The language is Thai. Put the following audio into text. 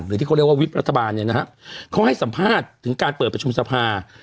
ที่เขาเรียกว่าวิบรัฐบาลเนี่ยนะฮะเขาให้สัมภาษณ์ถึงการเปิดประชุมสภา